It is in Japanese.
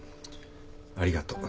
ありがとう。